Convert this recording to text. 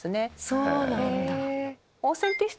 そうなんだ。